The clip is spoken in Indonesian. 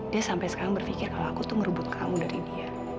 dia sampai sekarang berpikir kalau aku tuh ngerubut kamu dari dia